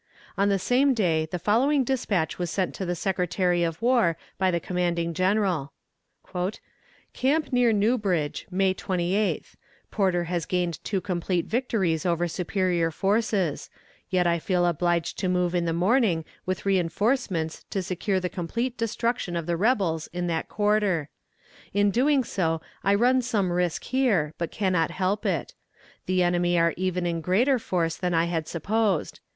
On the same day the following despatch was sent to the Secretary of War by the commanding general: "Camp near New Bridge, May 28th. Porter has gained two complete victories over superior forces; yet I feel obliged to move in the morning with reinforcements to secure the complete destruction of the rebels in that quarter. In doing so I run some risk here, but cannot help it. The enemy are even in greater force than I had supposed.